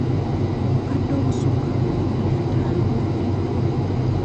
Obukadde obusukka mu makumi ataano bubbiddwa.